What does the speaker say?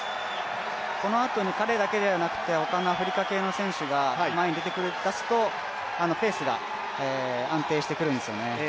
このあとに彼だけではなくて、他のアフリカ系の選手が前に出てきだすとペースが安定してくるんですよね。